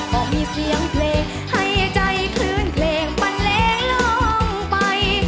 ก็มีเสียงเพลงให้ใจคลื่นเพลงบันเลงลองไป